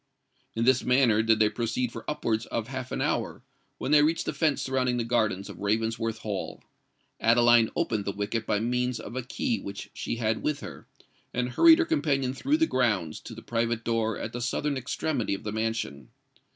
In this manner did they proceed for upwards of half an hour, when they reached the fence surrounding the gardens of Ravensworth Hall. Adeline opened the wicket by means of a key which she had with her, and hurried her companion through the grounds to the private door at the southern extremity of the mansion.